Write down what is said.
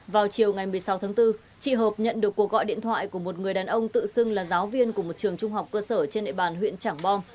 vào chiều ngày một mươi sáu tháng bốn chị hợp nhận được cuộc gọi điện thoại của một người đàn ông tự xưng là giáo viên của một trường trung học cơ sở trên địa bàn huyện trảng bom